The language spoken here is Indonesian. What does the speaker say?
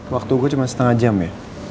waktu gue cuma setengah jam ya